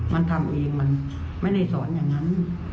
มันทำเองมันไม่ได้สอนอย่างนั้น